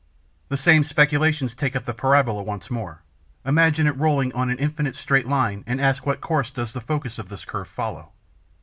The same speculations take up the parabola once more, imagine it rolling on an indefinite straight line and ask what course does the focus of this curve follow.